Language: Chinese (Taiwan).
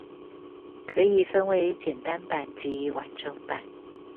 可以分為簡單版及完整版